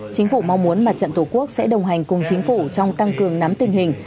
chính phủ mong muốn mặt trận tổ quốc sẽ đồng hành cùng chính phủ trong tăng cường nắm tình hình